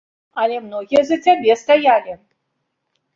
Але многія за цябе стаялі.